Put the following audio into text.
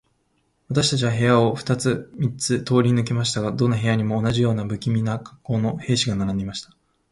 私たちは部屋を二つ三つ通り抜けましたが、どの部屋にも、同じような無気味な恰好の兵士が並んでいました。